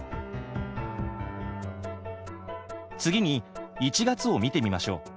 次に１月を見てみましょう。